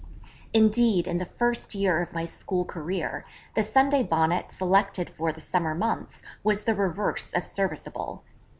Indeed in the first year of my school career the Sunday Bonnet selected for the summer months was the reverse of serviceable.